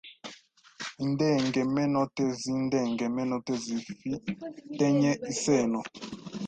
Indengemenote zi Indengemenote zifi tenye iseno